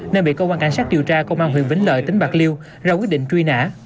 nên bị cơ quan cảnh sát điều tra công an huyện vĩnh lợi tỉnh bạc liêu ra quyết định truy nã